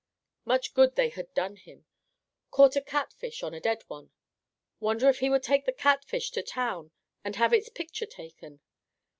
Much good they had done him. Caught a catfish on a dead one! Wonder if he would take the catfish to town and have its picture taken!